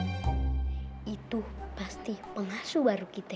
itu pasti pengasuh baru kita